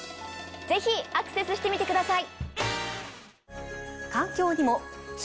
ぜひアクセスしてみてください！